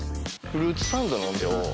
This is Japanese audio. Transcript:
フルーツサンドのお店を。